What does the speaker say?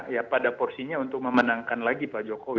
ya pada porsinya untuk memenangkan lagi pak jokowi